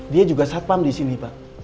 dia juga satpam di sini pak